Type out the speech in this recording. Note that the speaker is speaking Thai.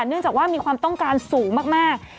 เนื่องจากว่ามีความต้องการสูงมาก